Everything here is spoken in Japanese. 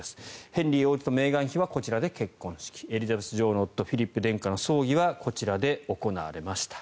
ヘンリー王子とメーガン妃はこちらで結婚式エリザベス女王の夫フィリップ殿下の葬儀はこちらで行われました。